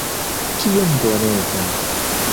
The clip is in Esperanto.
Kiom bonega!